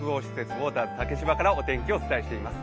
ウォーターズ竹芝からお伝えしています。